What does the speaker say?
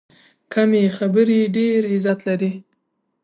کمې خبرې، ډېر عزت لري.